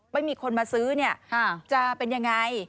ไม่มีคนมาซื้อเนี่ยจะเป็นยังไง